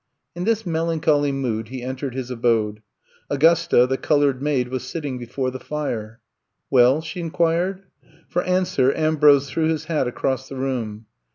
'' In this melancholy mood he entered his abode. Augusta, the colored maid, was sitting before the fire. Well?" she inquired. For answer Ambrose threw his hat across the room.